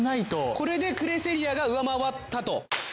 これでクレセリアが上回ったと。